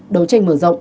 đấu tranh mở rộng